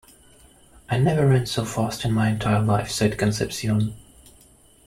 "I never ran so fast in my entire life," said Concepcion.